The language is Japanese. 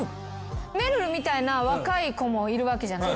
めるるみたいな若い子もいるわけじゃないですか。